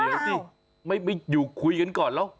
เดี๋ยวสิไม่อยู่คุยกันก่อนแล้ว